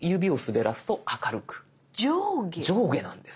上下なんです。